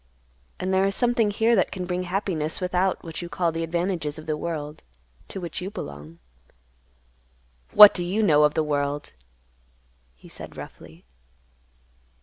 And there is something here that can bring happiness without what you call the advantages of the world to which you belong." "What do you know of the world?" he said roughly.